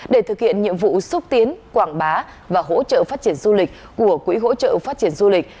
để thực hiện nhiệm vụ xúc tiến quảng bá và hỗ trợ phát triển du lịch của quỹ hỗ trợ phát triển du lịch